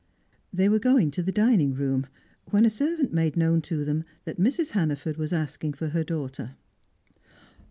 They were going to the dining room, when a servant made known to them that Mrs. Hannaford was asking for her daughter.